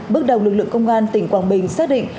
bước đầu lực lượng công an tỉnh quảng bình xác định